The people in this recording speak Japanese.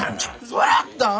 さらったん！？